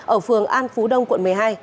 ở phường an phú đông quận một mươi hai